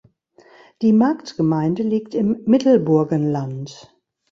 Die Marktgemeinde liegt im Mittelburgenland.